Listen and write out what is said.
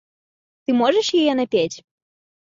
Ты можаш яе напець?